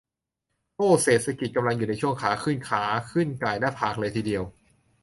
"โอ้เศรษฐกิจกำลังอยู่ในช่วงขาขึ้น" "ขาขึ้นก่ายหน้าฝากเลยทีเดียว"